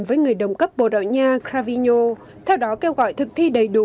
với người đồng cấp bồ đào nha kravino theo đó kêu gọi thực thi đầy đủ